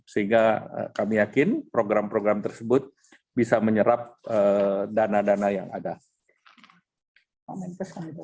sehingga kami yakin program program tersebut bisa menyerap dana dana yang ada